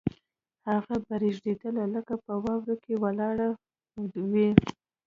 هغه به رېږدېدله لکه په واورو کې ولاړه وي